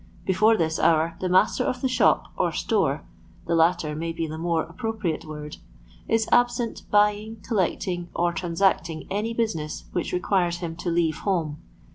Before this hour the master of the shop or siwe (the latter may be the more appropriate word) is absent buying, collecting, or transacting any business which requires him to leave home.